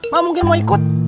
mak mungkin mau ikut